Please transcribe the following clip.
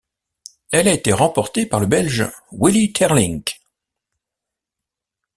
Elle a été remportée par le Belge Willy Teirlinck.